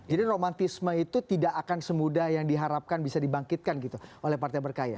jadi romantisme itu tidak akan semudah yang diharapkan bisa dibangkitkan gitu oleh partai berkaya